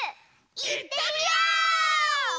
いってみよう！